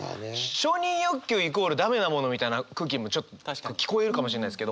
承認欲求イコール駄目なものみたいな空気にもちょっと聞こえるかもしれないですけど。